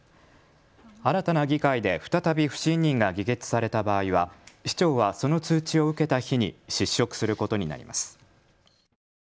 新たな議会で再び不信任が議決された場合は市長はその通知を受けた日に失職することになります。